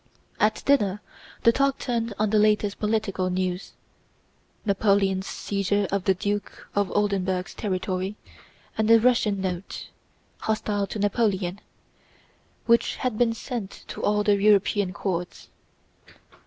At dinner the talk turned on the latest political news: Napoleon's seizure of the Duke of Oldenburg's territory, and the Russian Note, hostile to Napoleon, which had been sent to all the European courts.